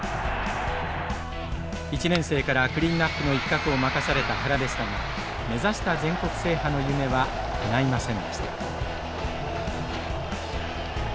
１年生からクリーンナップの一角を任された原でしたが目指した全国制覇の夢はかないませんでした。